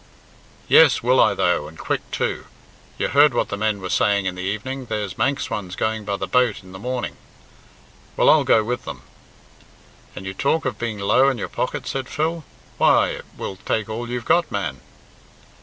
"Yes, will I though, and quick too. You heard what the men were saying in the evening there's Manx ones going by the boat in the morning? Well, I'll go with them." "And you talk of being low in your pocket," said Phil. "Why, it will take all you've got, man."